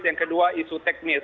yang kedua isu teknis